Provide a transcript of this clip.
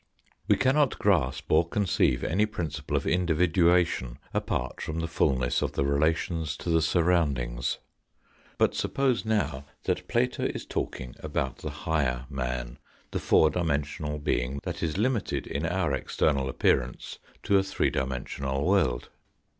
We cannot grasp or conceive any principle of individuation apart from the fulness of the relations to the surroundings. But suppose now that Plato is talking about the higher man the four dimensional being that is limited in our external experience to a three dimensional world.